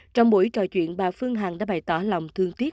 trong buổi trò chuyện bà phương hằng đã bày tỏ lòng thương tiếc